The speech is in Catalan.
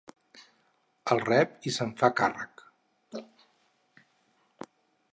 El rep i se'n fa càrrec.